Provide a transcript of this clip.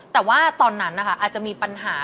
แต่ว่าตอนนั้นนะคะอาจจะมีปัญหา